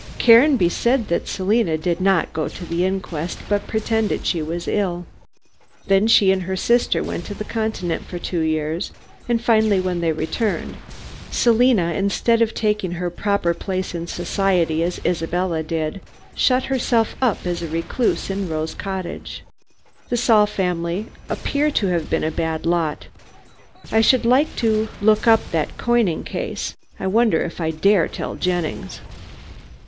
Caranby said that Selina did not go to the inquest, but pretended she was ill. Then she and her sister went to the continent for two years, and finally, when they returned, Selina instead of taking her proper place in society as Isabella did, shut herself up as a recluse in Rose Cottage. The Saul family appear to have been a bad lot. I should like to look up that coining case. I wonder if I dare tell Jennings."